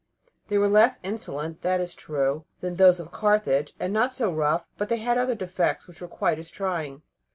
They were less insolent, it is true, than those of Carthage, and not so rough; but they had other defects which were quite as trying.